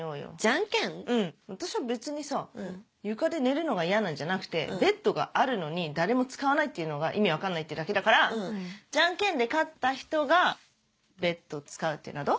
うん私は別にさ床で寝るのが嫌なんじゃなくてベッドがあるのに誰も使わないっていうのが意味分かんないってだけだからジャンケンで勝った人がベッド使うってのはどう？